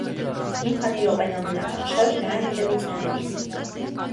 Մի քանի րոպե նա մնաց անշարժ նրա հետևից նայելիս: